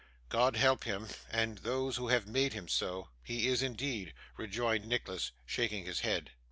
'God help him, and those who have made him so; he is indeed,' rejoined Nicholas, shaking his head.